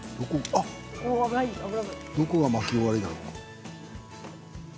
どこが巻き終わりなの？